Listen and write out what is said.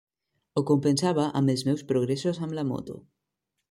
Ho compensava amb els meus progressos amb la moto.